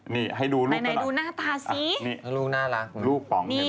นี่ให้ดูลูกก่อนหน่อยดูหน้าตาสินี่ลูกน่ารักลูกป๋องใช่ไหม